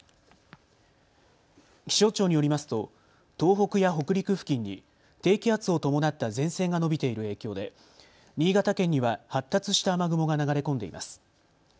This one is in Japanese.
気象庁によりますと東北や北陸付近に低気圧を伴った前線が延びている影響で新潟県には発達した雨雲が流れ込んでいます。